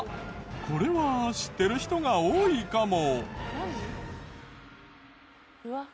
これは知ってる人が多いかも。